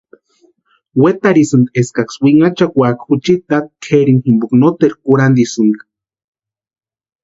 Wetarhisïnti eskaksï winhachakwaaka juchiti tati kʼerini jimpo noteru kurhantisïnka.